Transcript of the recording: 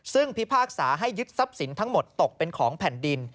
ซึ่งพิพากษาให้ยึดทรัพย์สินทั้งหมดตกเป็นของแผ่นดิน